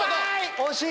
惜しい！